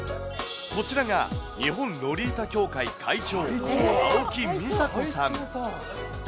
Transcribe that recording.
こちらが日本ロリータ協会会長、青木美沙子さん。